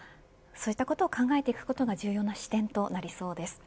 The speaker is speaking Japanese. そういうことを考えいくことが重要な視点となりそうです。